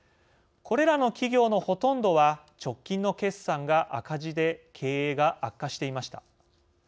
これらの企業のほとんどは直近の決算が赤字で経営が悪化していました。